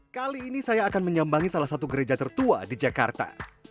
kali ini saya akan menyambangi salah satu gereja tertua di jakarta